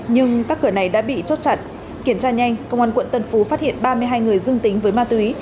nhưng các cửa này đã bị chốt chặn kiểm tra nhanh công an quận tân phú phát hiện ba mươi hai người dương tính với ma túy